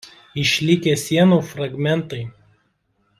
Išlikę sienų fragmentai.